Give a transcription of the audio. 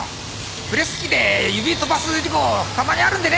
プレス機で指飛ばす事故たまにあるんでね。